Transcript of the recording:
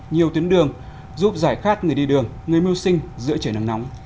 nhiều tuyến đường giúp giải khát người đi đường người mưu sinh giữa trời nắng nóng